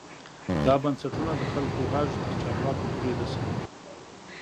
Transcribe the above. دا بنسټونه د خلکو غږ تر چارواکو پورې رسوي.